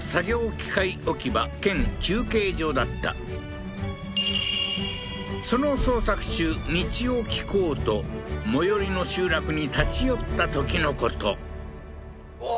機械置き場兼休憩所だったその捜索中道を聞こうと最寄りの集落に立ち寄ったときのことおおー